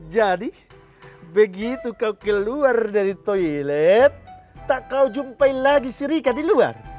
jadi begitu kau keluar dari toilet tak kau jumpai lagi si rika di luar